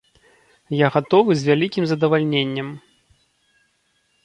Я гатовы з вялікім задавальненнем.